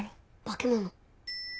化け物。